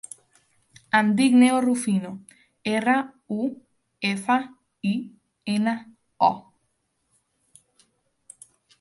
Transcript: Em dic Neo Rufino: erra, u, efa, i, ena, o.